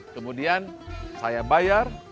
kemudian saya bayar